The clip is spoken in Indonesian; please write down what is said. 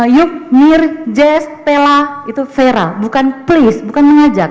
yuk mir jes pela itu vera bukan please bukan mengajak